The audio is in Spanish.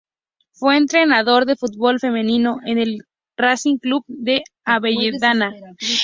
Fue entrenador de fútbol femenino en el Racing Club de Avellaneda.